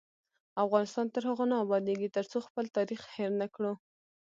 افغانستان تر هغو نه ابادیږي، ترڅو خپل تاریخ هیر نکړو.